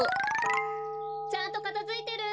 ・ちゃんとかたづいてる？